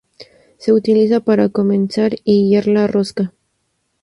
Se utiliza para comenzar y guiar la rosca.